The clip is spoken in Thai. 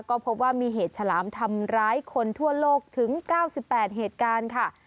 ก็พบว่ามีเหตุฉลามทำร้ายคนทั่วโลกถึง๙๘เหตุการณ์ค่ะ